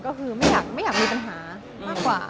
ก็คือไม่อยากมีปัญหามากกว่า